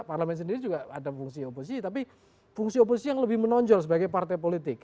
parlemen sendiri juga ada fungsi oposisi tapi fungsi oposisi yang lebih menonjol sebagai partai politik